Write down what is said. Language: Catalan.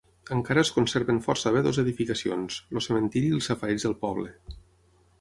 Encara es conserven força bé dues edificacions: el cementiri i el safareig del poble.